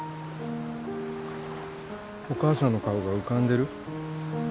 お母さんの顔が浮かんでる？